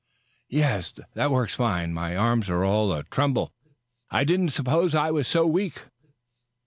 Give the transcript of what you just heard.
"Yes, that works fine. My arms are all a tremble. I didn't suppose I was so weak?"